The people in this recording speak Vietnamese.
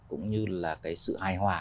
cũng như là cái sự hài hòa